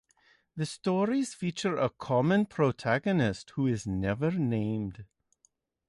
The stories feature a common protagonist who is never named.